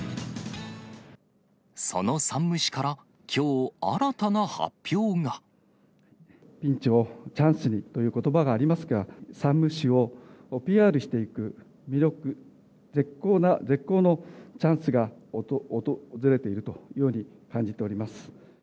その山武市から、きょう新たな発ピンチをチャンスにということばがありますが、山武市をＰＲしていく、魅力、絶好のチャンスが訪れているというように感じております。